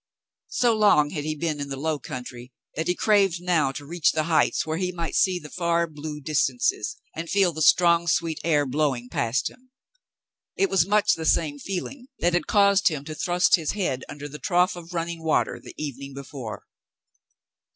So long had he been in the low country that he craved now to reach the heights where he might see the far blue distances and feel the strong sweet air blowing past him. It was much the same feeling that had caused him to thrust his head under the trough of running water the evening before.